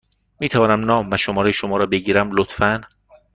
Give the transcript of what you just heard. می توانم نام و شماره شما را بگیرم، لطفا؟